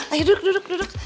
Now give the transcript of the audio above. ayo duduk duduk duduk